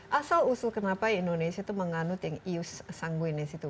asal usul kenapa indonesia itu menganut yang ius sangguines itu